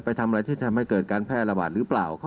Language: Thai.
ทำอะไรที่ทำให้เกิดการแพร่ระบาดหรือเปล่า